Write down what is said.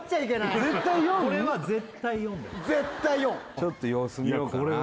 ちょっと様子見ようかな